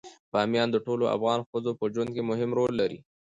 بامیان د ټولو افغان ښځو په ژوند کې مهم رول لري.